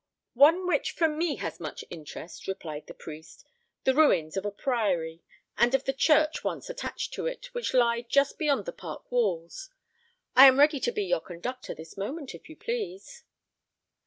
"One which for me has much interest," replied the priest: "the ruins of a priory, and of the church once attached to it, which lie just beyond the park walls. I am ready to be your conductor this moment, if you please."